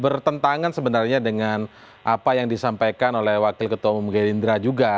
bertentangan sebenarnya dengan apa yang disampaikan oleh wakil ketua umum gerindra juga